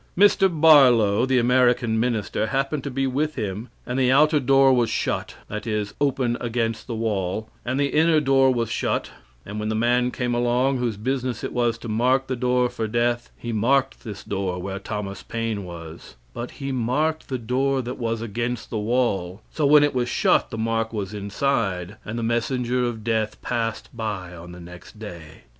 Mr. Barlow, the American minister, happened to be with him and the outer door was shut, that is, open against the wall, and the inner door was shut, and when the man came along whose business it was to mark the door for death, he marked this door where Thomas Paine was, but he marked the door that was against the wall, so when it was shut the mark was inside, and the messenger of death passed by on the next day.